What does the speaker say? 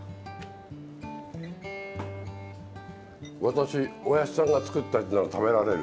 私おやじさんが作ったやつなら食べられる。